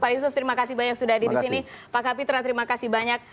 pak yusuf terima kasih banyak sudah hadir di sini pak kapitra terima kasih banyak